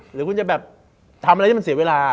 หรือคุณจะแบบทำอะไรที่มันเสียเวลา